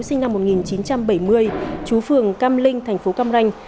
sinh năm một nghìn chín trăm bảy mươi chú phường cam linh thành phố cam ranh